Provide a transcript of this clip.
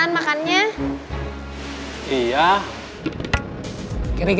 nanti sekucangnya masuk